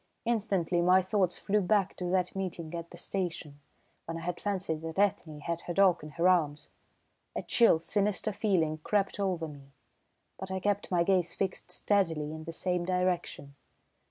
Instantly my thoughts flew back to that meeting at the station, when I had fancied that Ethne had her dog in her arms. A chill, sinister feeling crept over me, but I kept my gaze fixed steadily in the same direction.